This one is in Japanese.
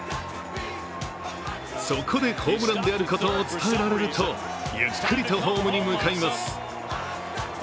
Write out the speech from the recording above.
そこでホームランであることを伝えられるとゆっくりとホームに向かいます。